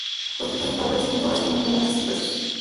Los pequeños pájaros cantores son abundantes y diversos.